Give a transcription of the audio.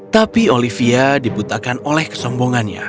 tapi olivia dibutakan oleh kesombongannya